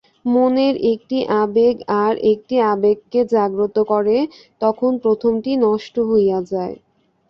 মনের একটি আবেগ আর একটি আবেগকে জাগ্রত করে, তখন প্রথমটি নষ্ট হইয়া যায়।